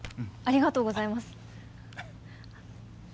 ありがとうございます。